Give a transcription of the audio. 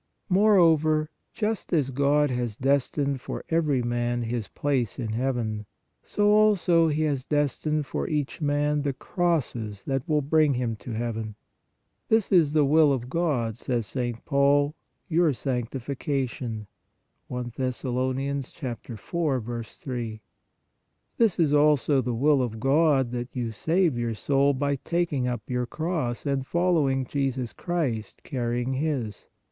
Moreover, just as God has destined for every man his place in heaven, so also He has destined for each man the crosses that will bring him to heaven. "This is the will of God," says St. Paul, "your 42 PRAYER sanctification " (I Thess. 4. 3). This is also the will of God, that you save your soul by taking up your cross and following Jesus Christ carrying His.